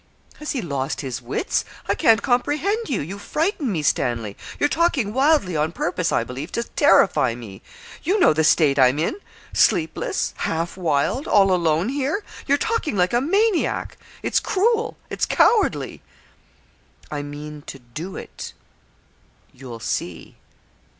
'Has he lost his wits? I can't comprehend you you frighten me, Stanley. You're talking wildly on purpose, I believe, to terrify me. You know the state I'm in sleepless half wild all alone here. You're talking like a maniac. It's cruel it's cowardly.' 'I mean to do it you'll see.'